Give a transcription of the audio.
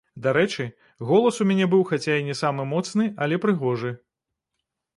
Дарэчы, голас у мяне быў хаця і не самы моцны, але прыгожы.